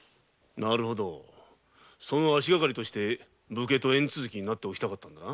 その足がかりとして武家と縁続きになっておきたかったのか。